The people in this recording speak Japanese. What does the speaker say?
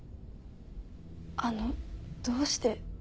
あのどうして。